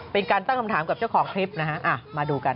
เป็นการตั้งคำถามกับเจ้าของคลิปนะฮะมาดูกัน